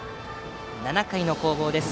７回の攻防です。